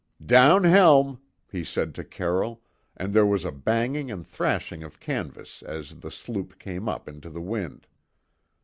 "Down helm!" he said to Carroll, and there was a banging and thrashing of canvas as the sloop came up into the wind.